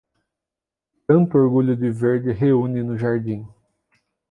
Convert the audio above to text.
Tanto orgulho de verde reúne no jardim.